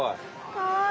かわいい。